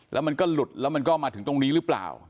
แล้วมันก็หลุดแล้วมันก็มาถึงตรงนี้หรือเปล่า